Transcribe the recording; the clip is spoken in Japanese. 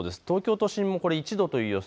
東京都心も１度。